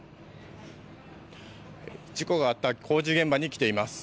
事故があった工事現場に来ています。